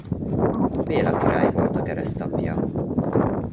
Béla király volt a keresztapja.